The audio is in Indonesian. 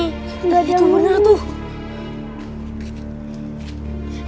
itu bener tuh